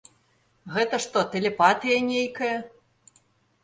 Гэта што, тэлепатыя нейкая?